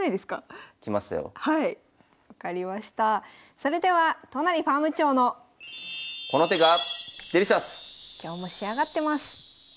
それでは都成ファーム長の今日も仕上がってます。